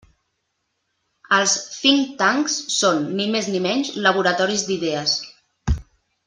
Els think tanks són, ni més ni menys, laboratoris d'idees.